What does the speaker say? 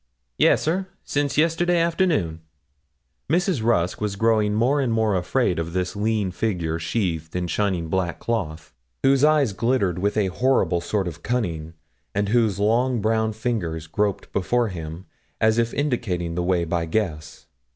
'Yes, sir; since yesterday afternoon.' Mrs. Rusk was growing more and more afraid of this lean figure sheathed in shining black cloth, whose eyes glittered with a horrible sort of cunning, and whose long brown fingers groped before him, as if indicating the way by guess.